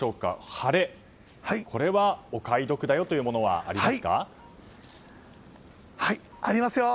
晴れ、お買い得だよというものはありますよ！